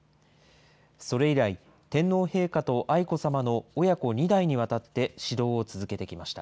それ以来、天皇陛下と愛子さまの親子２代にわたって指導を続けてきました。